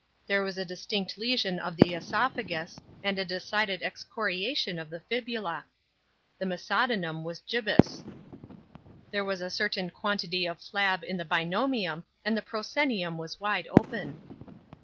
There was a distinct lesion of the oesophagus and a decided excoriation of the fibula. The mesodenum was gibbous. There was a certain quantity of flab in the binomium and the proscenium was wide open.